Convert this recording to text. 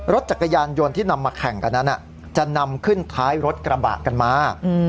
รถจักรยานยนต์ที่นำมาแข่งกันนั้นจะนำขึ้นท้ายรถกระบะกันมา